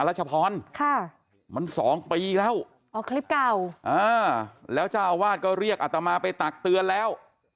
รัชพรค่ะมันสองปีแล้วอ๋อคลิปเก่าอ่าแล้วเจ้าอาวาสก็เรียกอัตมาไปตักเตือนแล้ว